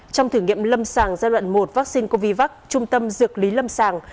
trong thử nghiệm lâm sàng giai đoạn một vaccine covid trung tâm dược lý lâm sàng